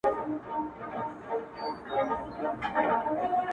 د ميني پر كوڅه ځي ما يوازي پــرېـــږدې ـ